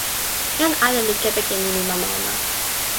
jan ala li kepeken nimi mama ona.